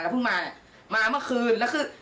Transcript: แล้วเพิ่งมามาเมื่อคืนแล้วคือ